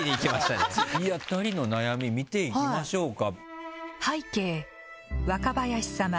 ２人の悩み見ていきましょうか。